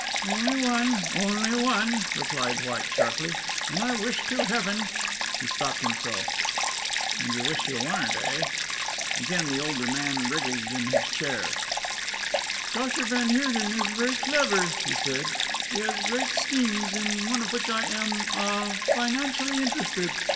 "Only one, only one," replied White sharply, "and I wish to Heaven " He stopped himself. "And you wish you weren't, eh?" Again the older man wriggled in his chair. "Doctor van Heerden is very clever," he said; "he has great schemes, in one of which I am ah financially interested.